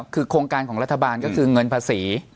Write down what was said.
คือโครงการของรัฐบาลก็คือเงินภาษี